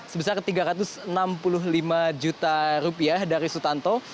sebesar rp tiga ratus enam puluh lima juta rupiah dari sutanto